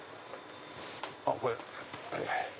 あっこれ。